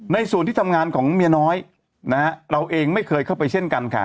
ในส่วนที่ทำงานของเมียน้อยนะฮะเราเองไม่เคยเข้าไปเช่นกันค่ะ